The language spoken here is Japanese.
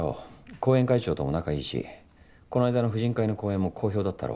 後援会長とも仲いいしこの間の婦人会の講演も好評だったろ？